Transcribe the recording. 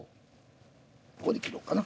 ここで切ろうかな。